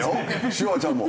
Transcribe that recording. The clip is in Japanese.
シュワちゃんも。